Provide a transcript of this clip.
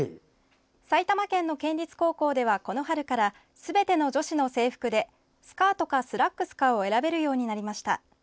埼玉県の県立高校ではこの春からすべての女子の制服でスカートかスラックスかを選べるようになりました。